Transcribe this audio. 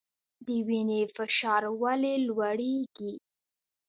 د وینې فشار ولې لوړیږي؟